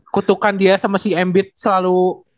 kutukan dia sama si embiid selalu